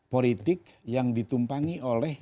politik yang ditumpangi oleh